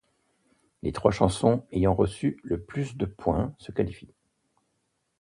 Le trois chansons ayant reçu le plus de points se qualifient.